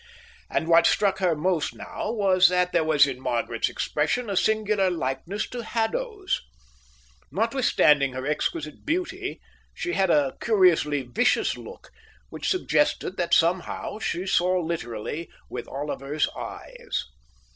And what struck her most now was that there was in Margaret's expression a singular likeness to Haddo's. Notwithstanding her exquisite beauty, she had a curiously vicious look, which suggested that somehow she saw literally with Oliver's eyes.